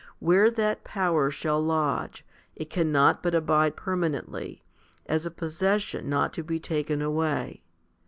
Where that power shall lodge, it cannot but abide permanently, as a possession not to be taken away.